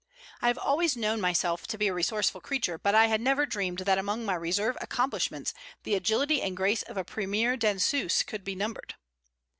I have always known myself to be a resourceful creature, but I had never dreamed that among my reserve accomplishments the agility and grace of a premiere danseuse could be numbered.